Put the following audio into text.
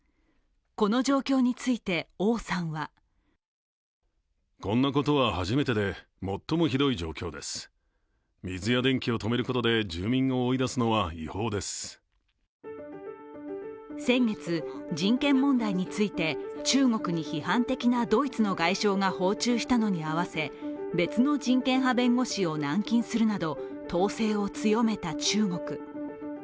この状況について王さんは先月、人権問題について中国に批判的なドイツの外相が訪中したのに合わせ別の人権派弁護士を軟禁するなど統制を強めた中国。